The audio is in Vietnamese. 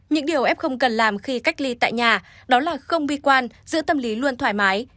những điều f không cần làm khi cách ly tại nhà đó là không bi quan giữa tâm lý luôn thoải mái